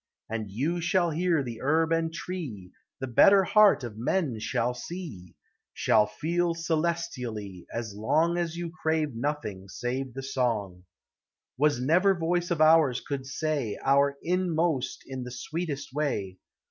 295 And you shall hear the herb and tree, The better heart of men shall see, Shall feel celestially, as long As you crave nothing save the song. Was never voice of ours could say Our inmost in the sweetest way.